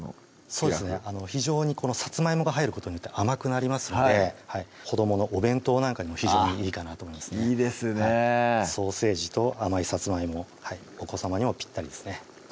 そうですね非常にさつまいもが入ることによって甘くなりますので子どものお弁当なんかにも非常にいいかなと思いますねいいですねソーセージと甘いさつまいもお子さまにもぴったりですね